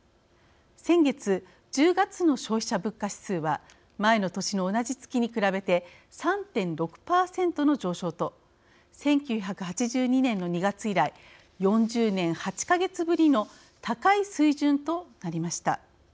先月、１０月の消費者物価指数は前の年の同じ月に比べて３．６％の上昇と１９８２年の２月以来４０年８か月ぶりの高い水準となりました。